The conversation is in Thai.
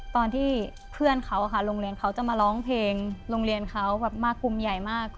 ตอนที่เพื่อนเขาโรงเรียนเขาจะมาร้องเพลงโรงเรียนเขาแบบมากลุ่มใหญ่มาก